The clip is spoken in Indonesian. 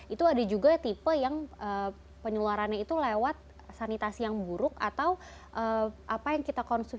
itu ada juga tipe yang penyeluarannya itu lewat sanitasi yang buruk atau apa yang kita konsumsi